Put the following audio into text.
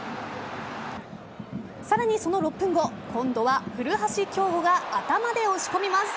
さらにその６分後今度は古橋亨梧が頭で押し込みます。